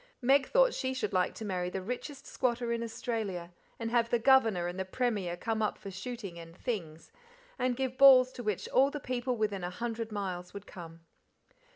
Meg thought she should like to marry the richest squatter in Australia, and have the Governor and the Premier come up for shooting and "things," and give balls to which all the people within a hundred miles would come.